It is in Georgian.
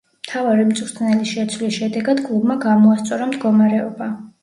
მთავარი მწვრთნელის შეცვლის შედეგად კლუბმა გამოასწორა მდგომარეობა.